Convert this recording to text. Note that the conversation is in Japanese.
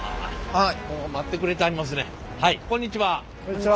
はい。